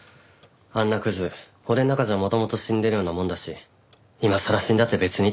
あんなクズ俺の中じゃ元々死んでるようなもんだし今さら死んだって別に？